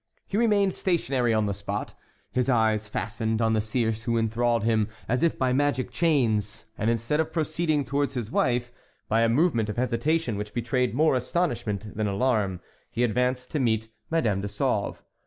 He remained stationary on the spot, his eyes fastened on the Circe who enthralled him as if by magic chains, and instead of proceeding towards his wife, by a movement of hesitation which betrayed more astonishment than alarm he advanced to meet Madame de Sauve.